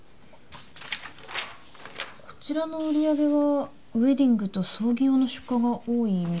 こちらの売り上げはウエディングと葬儀用の出荷が多いみたいですね。